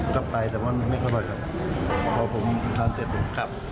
กลับไปแต่ว่าไม่ค่อยบ่อยครับพอผมทานเสร็จผมกลับแล้วเริ่มเกิดจะกลับกลับแล้ว